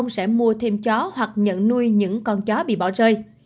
nếu dư giã ông sẽ mua thêm chó hoặc nhận nuôi những con chó bị bỏ rơi